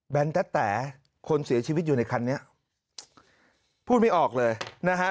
แตะคนเสียชีวิตอยู่ในคันนี้พูดไม่ออกเลยนะฮะ